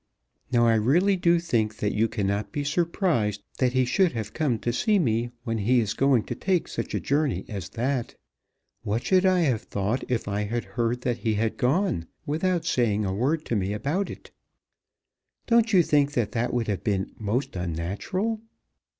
Now I really do think that you cannot be surprised that he should have come to see me when he is going to take such a journey as that. What should I have thought if I had heard that he had gone without saying a word to me about it? Don't you think that that would have been most unnatural?